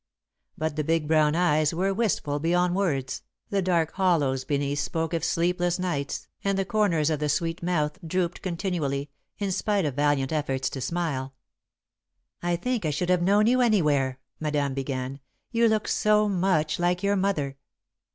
But the big brown eyes were wistful beyond words, the dark hollows beneath spoke of sleepless nights, and the corners of the sweet mouth drooped continually, in spite of valiant efforts to smile. [Sidenote: Why She Came] "I think I should have known you anywhere," Madame began. "You look so much like your mother."